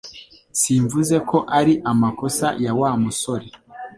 Simvuze ko ari amakosa ya Wa musore